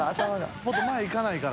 もっと前行かないから。